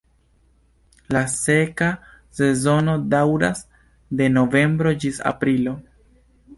La seka sezono daŭras de novembro ĝis aprilo.